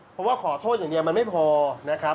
เพราะว่าขอโทษอย่างเดียวมันไม่พอนะครับ